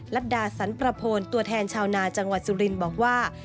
รัฐดาสันประโพนตัวแทนชาวนาจังหวัดสุรินทร์บอกว่า